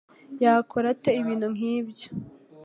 yakora ate ibintu nkibyo?